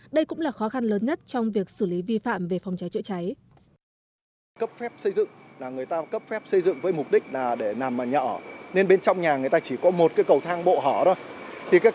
đây cũng là khó khăn lớn nhất trong việc xử lý vi phạm về phòng cháy chữa cháy